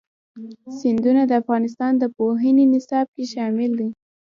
سیندونه د افغانستان د پوهنې نصاب کې شامل دي.